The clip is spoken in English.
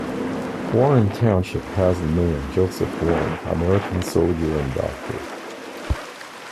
Warren Township has the name of Joseph Warren, American soldier and doctor.